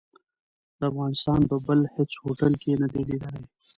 د افغانستان په بل هيڅ هوټل کې نه دي ليدلي.